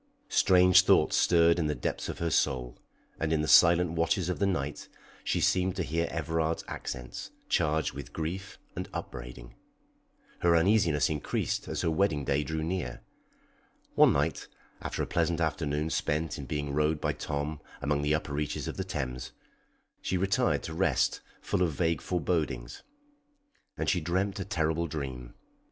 Strange thoughts stirred in the depths of her soul, and in the silent watches of the night she seemed to hear Everard's accents, charged with grief and upbraiding. Her uneasiness increased as her wedding day drew near. One night, after a pleasant afternoon spent in being rowed by Tom among the upper reaches of the Thames, she retired to rest full of vague forebodings. And she dreamt a terrible dream.